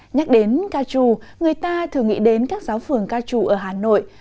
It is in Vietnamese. nhắc đến ca trù người ta thường nghĩ đến các giáo phường ca trù ở hà nội